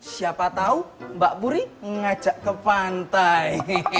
siapa tahu mbak puri ngajak ke pantai